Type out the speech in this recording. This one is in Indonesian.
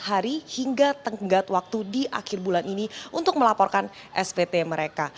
hari hingga tenggat waktu di akhir bulan ini untuk melaporkan spt mereka